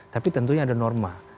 tapi tentunya ada norma